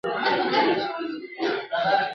ښوونکي وویل: تعلیم د بریا لاره ده.